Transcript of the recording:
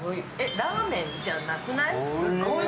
ラーメンじゃなくない？